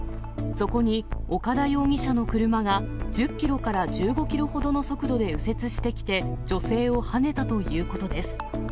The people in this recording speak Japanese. そこに、岡田容疑者の車が１０キロから１５キロほどの速度で右折してきて、女性をはねたということです。